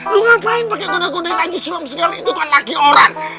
lo ngapain pake goda godain aja sialan segala itu kan laki orang